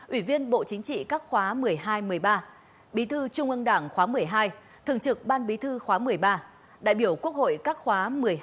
ủy viên bộ chính trị các khóa một mươi hai một mươi ba bí thư trung ương đảng khóa một mươi hai thường trực ban bí thư khóa một mươi ba đại biểu quốc hội các khóa một mươi hai một mươi bốn một mươi năm